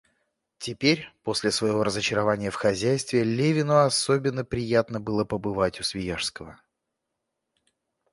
Теперь, после своего разочарования в хозяйстве, Левину особенно приятно было побывать у Свияжского.